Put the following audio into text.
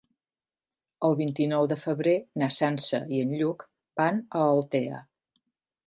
El vint-i-nou de febrer na Sança i en Lluc van a Altea.